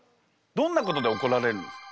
どんなことでおこられるんですか？